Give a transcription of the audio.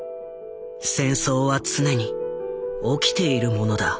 戦争は常に「起きている」ものだ。